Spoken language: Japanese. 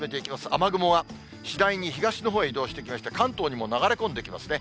雨雲は次第に東のほうへ移動してきまして、関東にも流れ込んできますね。